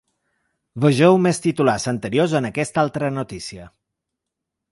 Vegeu més titulars anteriors en aquesta altra notícia.